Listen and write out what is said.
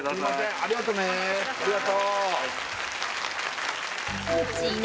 ありがとね